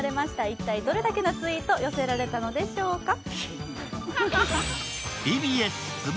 一体どれだけのツイートが寄せられたのでしょうか。